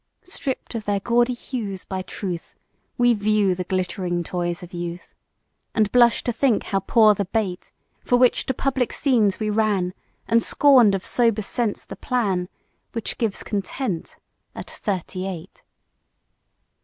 Stripp'd of their gaudy hues by Truth, We view the glitt'ring toys of youth, And blush to think how poor the bait For which to public scenes we ran And scorn'd of sober sense the plan Which gives content at Thirty eight.